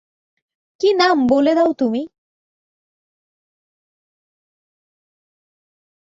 কী নাম, বলে দাও তুমি।